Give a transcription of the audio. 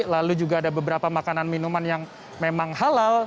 lalu juga ada beberapa makanan minuman yang memang halal